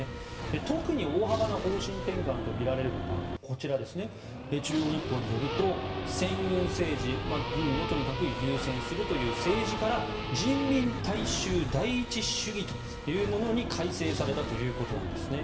特に大幅な方針転換とみられるのが中央日報によると先軍政治、軍を優先するという政治から人民大衆第一主義というものに改正されたということなんです。